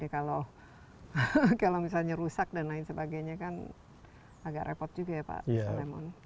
kalau misalnya rusak dan lain sebagainya kan agak repot juga ya pak solemon